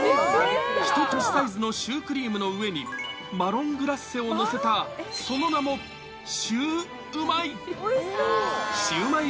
一口サイズのシュークリームの上に、マロングラッセを載せた、その名も、シューうまい。